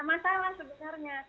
gak masalah sebenarnya